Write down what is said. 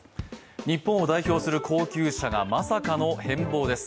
日本を代表する高級車がまさかの変貌です。